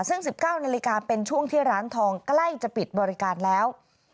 ซึ่ง๑๙นาฬิกาเป็นช่วงที่ร้านทองใกล้จะปิดบริการแล้ว